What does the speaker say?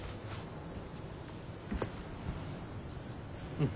うん。